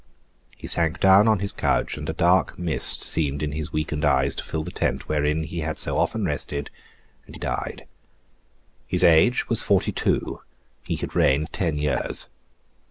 He sunk down on his couch, and a dark mist seemed in his weakened eyes to fill the tent wherein he had so often rested, and he died. His age was forty two; he had reigned ten years.